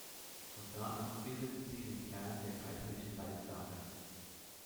Von da an bildeten sie den Kern der kaiserlichen Leibgarde.